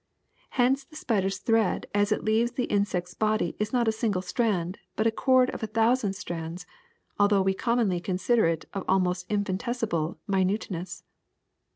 Hence the spider's thread as it leaves the insect's body is not a single strand, but a cord of a thousand strands, although we commonly consider it of almost infinitesimal minuteness.